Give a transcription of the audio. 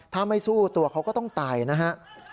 ถ้าไม่สู้ตัวเขาก็ต้องตายนะฮะ